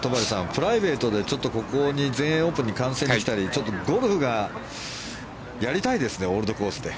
プライベートでここに全英オープンに観戦に来たりゴルフがやりたいですねオールドコースで。